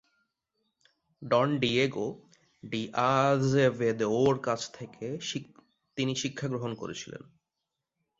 ডন Diego ডি’আজেভেদোও’র কাছ থেকে তিনি শিক্ষাগ্রহণ করেছিলেন।